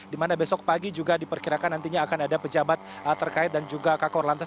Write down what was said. di mana besok pagi juga diperkirakan nantinya akan ada pejabat terkait dan juga kakor lantas